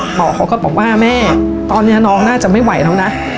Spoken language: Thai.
เขาก็บอกว่าแม่ตอนนี้น้องน่าจะไม่ไหวแล้วนะ